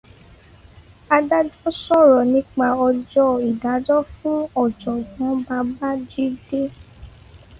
Adájọ́ sọ̀rọ̀ nípa ọjọ́ ìdájọ́ fún ọ̀jọ̀gbọ́n Babájídé.